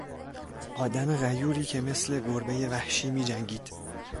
آدم غیوری که مثل گربهی وحشی میجنگید